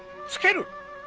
つける？